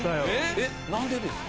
えっ何でですか？